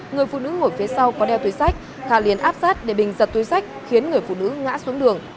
người phụ nữ ngồi phía sau có đeo túi sách thà liền áp sát để bình giật túi sách khiến người phụ nữ ngã xuống đường